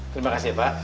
terima kasih pak